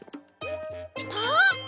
あっ！